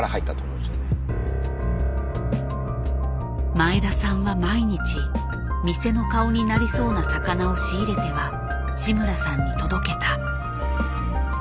前田さんは毎日店の顔になりそうな魚を仕入れては志村さんに届けた。